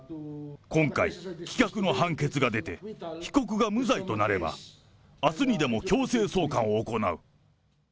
今回、棄却の判決が出て、被告が無罪となれば、あすにでも強制送還を行う。